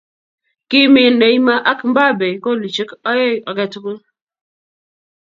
Kimiin Neymar ak Mbappe kolishe oeng ake tugul.